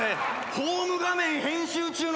ホーム画面編集中の。